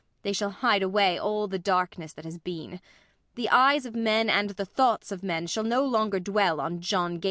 They shall hide away all the darkness that has been. The eyes of men and the thoughts of men shall no longer dwell on John Gabriel Borkman!